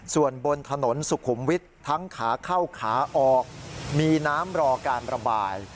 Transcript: ส่วนบนถนนสุขุมวิทย์ทั้งขาเข้าขาออกมีน้ำรอการระบาย